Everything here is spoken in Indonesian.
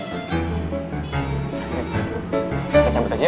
kita campur lagi yuk